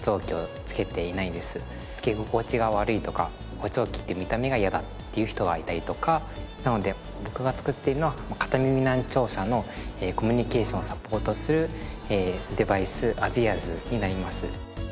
補聴器って見た目が嫌だっていう人がいたりとかなので僕が作っているのは片耳難聴者のコミュニケーションをサポートするデバイスａｓＥａｒｓになります。